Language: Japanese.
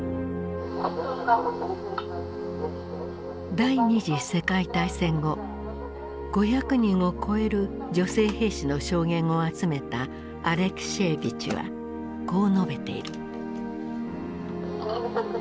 第二次世界大戦後５００人を超える女性兵士の証言を集めたアレクシエーヴィチはこう述べている。